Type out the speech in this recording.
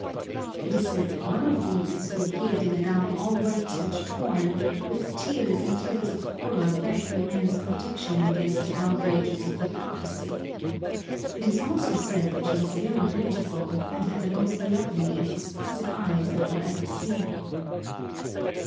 It is said that one of these, who appeared in a gown all wet and torn, with tears and tales of horror begged the man's protection against the outrages of hypocrisy. It is also said that she was very beautiful and had the most lovely and expressive eyes that were ever seen.